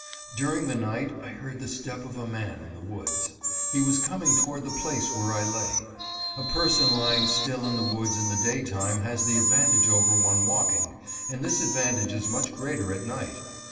During the night I heard the step of a man in the woods. He was coming toward the place where I lay. A person lying still in the woods in the day time has the advantage over one walking, and this advantage is much greater at night.